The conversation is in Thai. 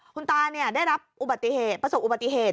คุณตาเนี่ยได้รับประสบอุบัติเหตุ